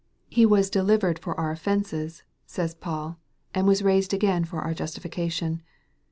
" He was delivered for our offences," says Paul, "and was raised again for our justification."